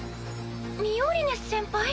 ミオリネ先輩？